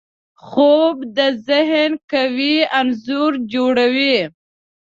خوب د ذهن قوي انځور جوړوي